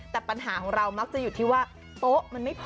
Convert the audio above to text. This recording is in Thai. แต่ปัญหาของเรามักจะอยู่ที่ว่าโป๊ะมันไม่พอ